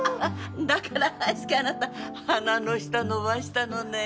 だから愛介あなた鼻の下伸ばしたのね。